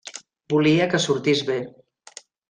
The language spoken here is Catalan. Volia que sortís bé.